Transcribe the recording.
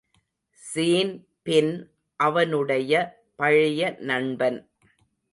Sean பின் அவனுடைய பழைய நண்பன்.